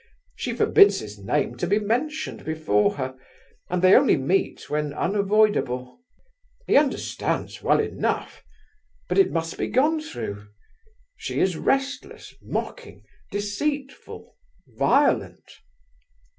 She forbids his name to be mentioned before her, and they only meet when unavoidable. He understands, well enough! But it must be gone through. She is restless, mocking, deceitful, violent...."